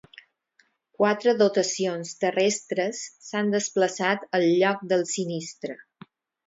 Quatre dotacions terrestres s'han desplaçat al lloc del sinistre.